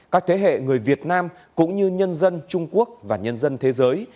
các thế hệ người việt nam cũng như nhân dân trung quốc và nhân dân thế giới